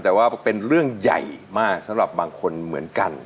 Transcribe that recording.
แต่ว่าเป็นเรื่องใหญ่มากสำหรับบางคนเหมือนกัน